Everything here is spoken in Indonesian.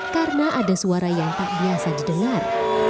karena ada suara yang tak biasa didengar